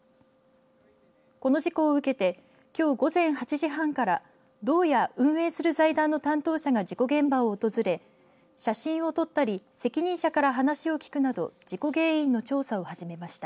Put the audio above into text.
この事故を受けてきょう午前８時半から道や運営する財団の担当者が事故現場を訪れ写真を撮ったり責任者から話を聞くなど事故原因の調査を始めました。